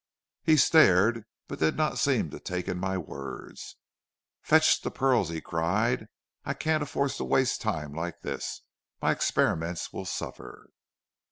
"He stared, but did not seem to take in my words. "'Fetch the pearls,' he cried; 'I cannot afford to waste time like this; my experiments will suffer.'